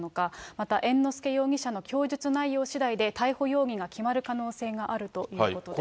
また猿之助容疑者の供述内容しだいで、逮捕容疑が決まる可能性があるということです。